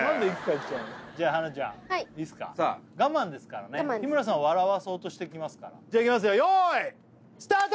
じゃあ花ちゃんいいすか我慢ですからね日村さんは笑わそうとしてきますからじゃいきますよ用意スタート！